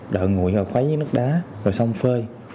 đợi nguội rồi khuấy nước đá rồi xong phơi